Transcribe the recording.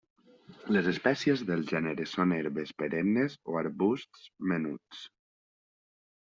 Les espècies del gènere són herbes perennes o arbusts menuts.